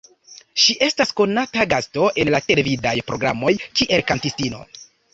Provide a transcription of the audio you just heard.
Ŝi estas konata gasto en la televidaj programoj kiel kantistino.